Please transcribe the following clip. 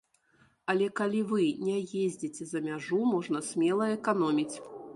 Але калі вы не ездзіце за мяжу, можна смела эканоміць.